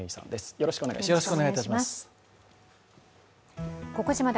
よろしくお願いします。